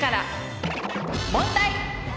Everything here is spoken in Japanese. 問題！